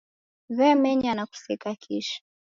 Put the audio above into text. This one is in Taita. W'emenya na kuseka kisha.